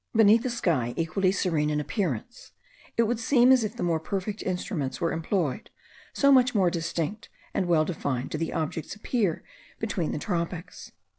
Beneath a sky equally serene in appearance, it would seem as if more perfect instruments were employed; so much more distinct and well defined do the objects appear between the tropics.